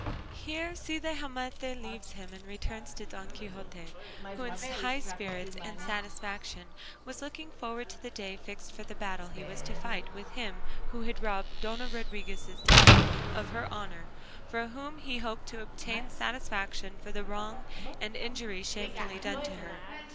Here Cide Hamete leaves him, and returns to Don Quixote, who in high spirits and satisfaction was looking forward to the day fixed for the battle he was to fight with him who had robbed Dona Rodriguez's daughter of her honour, for whom he hoped to obtain satisfaction for the wrong and injury shamefully done to her.